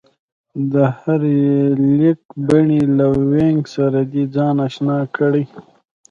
د هرې لیکبڼې له وينګ سره دې ځان اشنا کړي